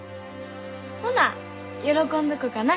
ほな喜んどこかな。